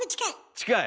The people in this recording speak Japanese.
近い？